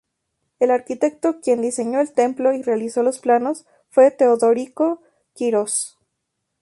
El arquitecto quien diseño el templo y realizó los planos fue Teodorico Quirós.